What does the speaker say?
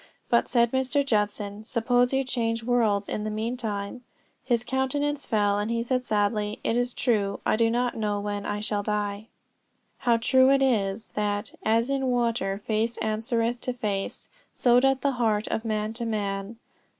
But, said Mr. Judson, suppose you change worlds in the meantime? His countenance fell, and he said sadly, "It is true, I do not know when I shall die." How true it is that "as in water face answereth to face, so doth the heart of man to man."